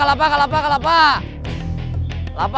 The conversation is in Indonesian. kelapa kelapa kelapa kelapa